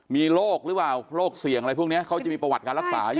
มีโรคหรือเปล่าโรคเสี่ยงอะไรพวกนี้เขาจะมีประวัติการรักษาอยู่